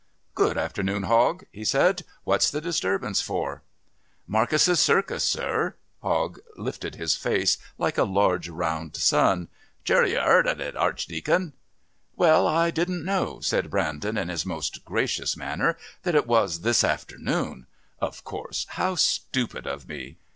"Good afternoon, Hogg," he said. "What's the disturbance for?" "Markisses Circus, sir," Hogg lifted his face like a large round sun. "Surely you'd 'eard of it, Archdeacon?" "Well, I didn't know," said Brandon in his most gracious manner, "that it was this afternoon.... Of course, how stupid of me!"